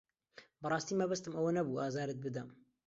بەڕاستی مەبەستم ئەوە نەبوو ئازارت بدەم.